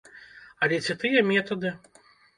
Але ці тыя метады?